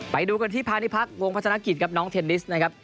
ไปดูกันที่พาณิพักษวงพัฒนกิจครับน้องเทนนิสนะครับ